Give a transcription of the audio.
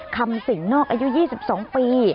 คำสิ่งนอกอายุ๒๒ปี